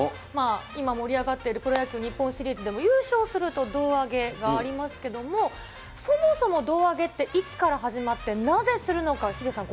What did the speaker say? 今盛り上がっている日本シリーズでも優勝すると胴上げがありますけれども、そもそも胴上げっていつから始まって、なぜするのか、ヒデさん